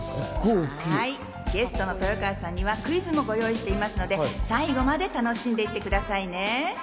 ゲストの豊川さんにはクイズもご用意していますので、最後まで楽しんでいってくださいね。